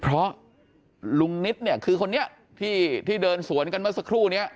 เพราะลุงนิตคือคนนี้ที่เดินสวนกันมาสักครู่นี้